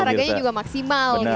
biar olahraganya juga maksimal gitu kan